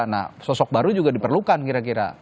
nah sosok baru juga diperlukan kira kira